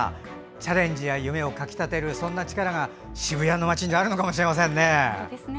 チャレンジや夢をかき立てるそんな力が渋谷の街にあるのかもしれませんね。